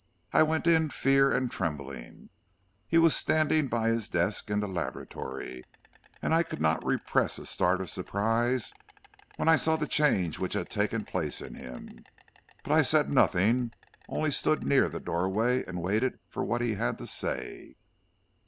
I went in fear and trembling. He was standing by his desk in the laboratory, and I could not repress a start of surprise when I saw the change which had taken place in him. But I said nothing, only stood near the doorway and waited for what he had to say.